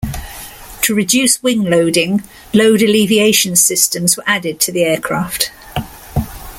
To reduce wing loading, load alleviation systems were added to the aircraft.